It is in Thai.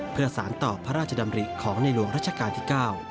เพื่อสารต่อพระราชดำริของในหลวงรัชกาลที่๙